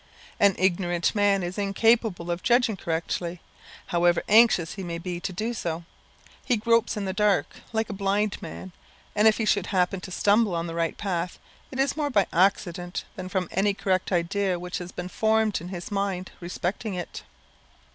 An ignorant man is incapable of judging correctly, however anxious he may be to do so. He gropes in the dark, like a blind man; and if he should happen to stumble on the right path, it is more by accident than from any correct idea which has been formed in his mind respecting it.